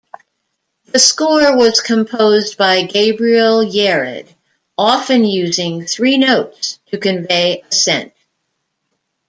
The score was composed by Gabriel Yared, often using three notes to convey ascent.